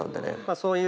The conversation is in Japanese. そういう。